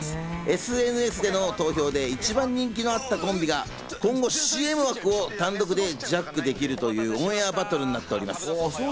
ＳＮＳでの投票で一番人気のあったコンビが今後、ＣＭ枠を単独でジャックできるというオンエアバトルになっております。